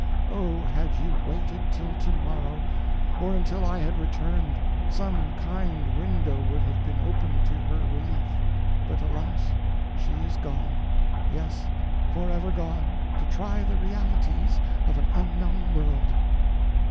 Oh, had you waited till tomorrow, or until I had returned, some kind window would have been opened to her relief. But, alas! she is gone yes, forever gone, to try the realities of an unknown world!